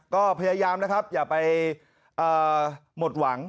ก็พยายามนะครับอย่าไปหมดหวัง